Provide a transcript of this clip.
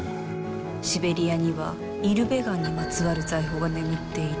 シベリアにはイルベガンにまつわる財宝が眠っている。